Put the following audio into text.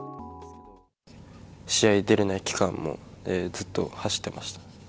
試合に出れない期間もずっと走ってました。